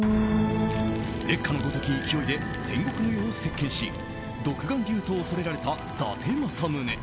烈火のごとき勢いで戦国の世を席巻し独眼竜と恐れられた伊達政宗。